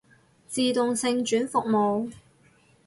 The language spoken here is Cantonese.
自動性轉服務